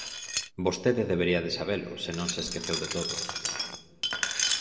Vostede debería de sabelo, se non se esqueceu de todo.